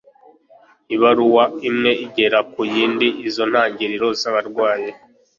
ibaruwa imwe igera ku yindi izo ntangiriro z'abarwayi